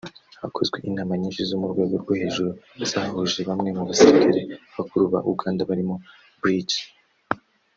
Hakozwe inama nyinshi zo murwego rwo hejuru zahuje bamwe mubasirikale bakuru ba Uganda barimo Brig